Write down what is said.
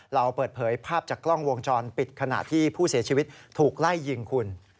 เราเปิดเผยภาพจากกล้องวงจรปิดขณะที่ผู้เสียชีวิตถูกไล่ยิงคุณ